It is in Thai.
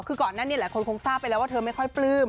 คือก่อนหน้านี้หลายคนคงทราบไปแล้วว่าเธอไม่ค่อยปลื้ม